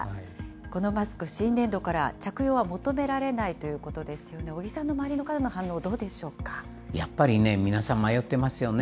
このマスク、新年度からは着用は求められないということですよね、尾木さんのやっぱりね、皆さん迷ってますよね。